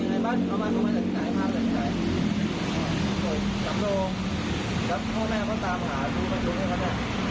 อันนี้คือเดือนที่ลุกได้แต่เราขอทานด้วยนะครับ